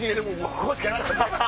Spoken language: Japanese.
ここしかなかってん。